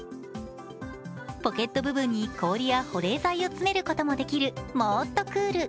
ポケット部分に氷や保冷剤を詰めることもできるモーっとクール。